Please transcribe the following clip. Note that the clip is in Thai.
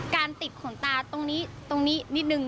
ติดขนตาตรงนี้ตรงนี้นิดนึง